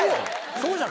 そうじゃん！